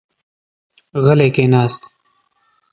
غلی کېناست.